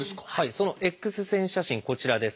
そのＸ線写真こちらです。